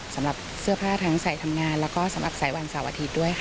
สำหรับเสื้อผ้าทั้งทำงานและสายวันสารสวทีด้วยค่ะ